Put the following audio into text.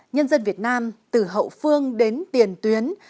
nhân dân việt nam từ hậu phương đến tiền tuyến